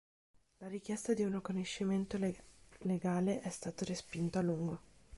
La richiesta di un riconoscimento legale è stata respinta a lungo.